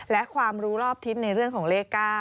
และความรู้รอบทิศในเรื่องของเลข๙